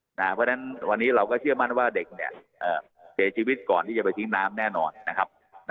เพราะฉะนั้นวันนี้เราก็เชื่อมั่นว่าเด็กเสียชีวิตก่อนที่จะไปทิ้งน้ำแน่นอนนะครับ